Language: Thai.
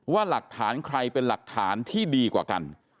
ว่าหลักฐานใครเป็นหลักฐานที่ดีกว่ากัน